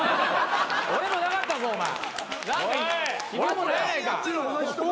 俺もなかったぞお前。